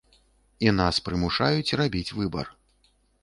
І нас прымушаюць рабіць выбар.